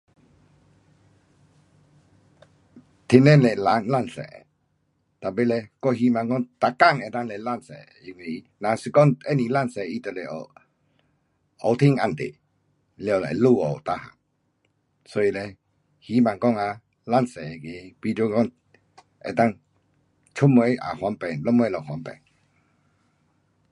天顶是蓝，蓝色的，tapi 嘞我希望讲每天能够是蓝色的，因为若是讲不是蓝色的，它就是雨天暗地。了就会下雨每样。所以嘞希望讲啊蓝色那个，比如讲能够出门也方便，什么都方便。